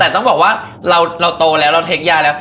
แต่ต้องบอกว่าเราโตแล้วเราเทคยาแล้ว